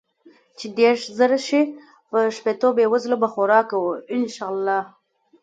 چې ديرش زره شي په شپيتو بې وزلو به خوراک کو ان شاء الله.